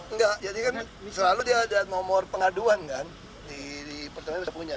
enggak jadi kan selalu dia ada nomor pengaduan kan di pertamina sudah punya